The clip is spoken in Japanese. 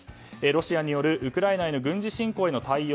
ロシアによるウクライナへの軍事侵攻への対応